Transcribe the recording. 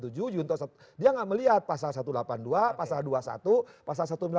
dia nggak melihat pasal satu ratus delapan puluh dua pasal dua puluh satu pasal satu ratus delapan puluh